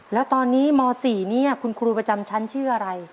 แล้วตอนนี้ม๔นี้คุณครูประจำชั้นชื่ออะไร